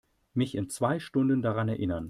Mich in zwei Stunden daran erinnern.